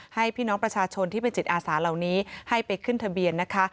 ให้พี่น้องประชาชนที่เป็นจิตอาสาเหล่านี้ให้ไปขึ้นทะเบียนนะคะ